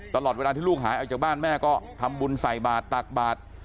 ตลอดเวลาที่ลูกหายออกจากบ้านแม่ก็ทำบุญใส่บาทตักบาท